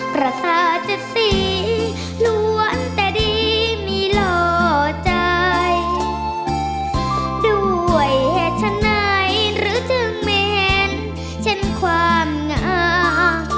ภาษาจะสีล้วนแต่ดีมีหล่อใจด้วยเหตุฉันไหนหรือจึงเมนเช่นความงา